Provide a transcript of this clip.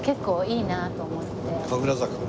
神楽坂が？